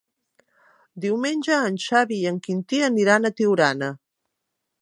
Diumenge en Xavi i en Quintí aniran a Tiurana.